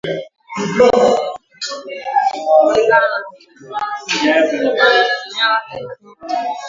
Kulingana na katiba ya nchi kuna maeneo themanini na tano yanayofanya